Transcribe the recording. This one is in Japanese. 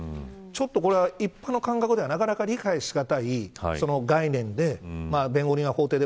ちょっと、これは一般の感覚ではなかなか理解しがたい概念で弁護人は法廷で。